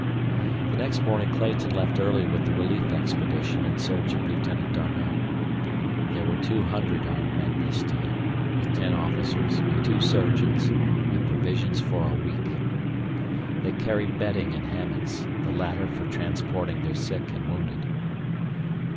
The next morning Clayton left early with the relief expedition in search of Lieutenant D'Arnot. There were two hundred armed men this time, with ten officers and two surgeons, and provisions for a week. They carried bedding and hammocks, the latter for transporting their sick and wounded.